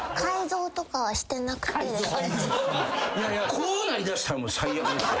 こうなりだしたら最悪ですよ。